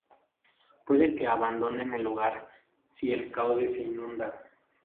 Puede que abandonen el lugar si el cauce se inunda.